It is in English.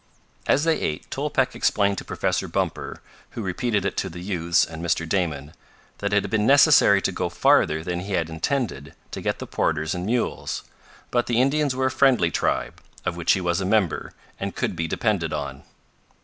As they ate Tolpec explained to Professor Bumper, who repeated it to the youths and Mr. Damon, that it had been necessary to go farther than he had intended to get the porters and mules. But the Indians were a friendly tribe, of which he was a member, and could be depended on.